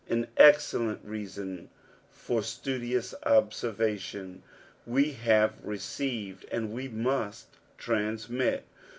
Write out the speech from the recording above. An excellent reason for studious obserradon. We have received and we must transmit.